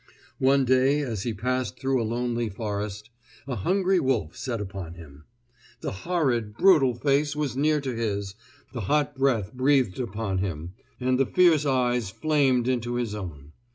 One day as he passed through a lonely forest, a hungry wolf set upon him. The horrid, brutal face was near to his, the hot breath breathed upon him, and the fierce eyes flamed into his own.